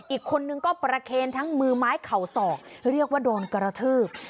อีกคนนึงก็ประเคนทั้งมือไม้เข่าศอกเรียกว่าโดนกระทืบ